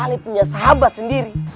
ali punya sahabat sendiri